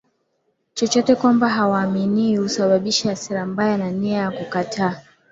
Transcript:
chochote kwamba haaminiwi husababisha hasira mbaya na nia ya kukataa